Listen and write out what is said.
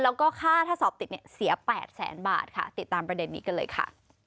แล้วก็ค่าถ้าสอบติดเนี่ยเสีย๘แสนบาทค่ะติดตามประเด็นนี้กันเลยค่ะ